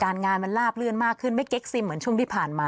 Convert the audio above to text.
งานมันลาบลื่นมากขึ้นไม่เก๊กซิมเหมือนช่วงที่ผ่านมา